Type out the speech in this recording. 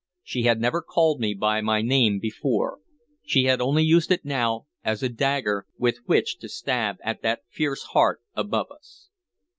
She had never called me by my name before. She had only used it now as a dagger with which to stab at that fierce heart above us.